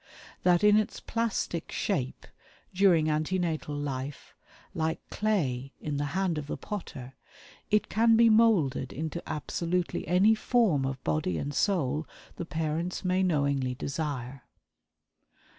That in its plastic shape, during ante natal life, like clay in the hand of the potter, it can be molded into absolutely any form of body and soul the parents may knowingly desire."